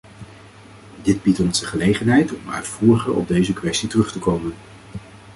Dit biedt ons de gelegenheid om uitvoeriger op deze kwestie terug te komen.